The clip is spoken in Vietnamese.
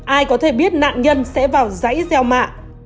ai có thể biết nạn nhân sẽ vào dãy gieo mạ